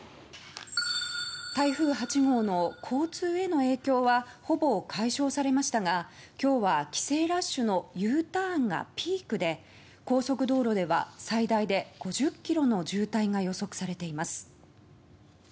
台風８号の交通への影響はほぼ解消されましたが今日は帰省ラッシュのＵターンがピークで高速道路は最大で５０ｋｍの渋滞が予測されています。